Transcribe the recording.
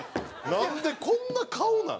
なんでこんな顔なん？